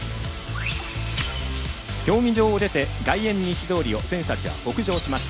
競技場を出て外苑西通りを選手たちが北上します。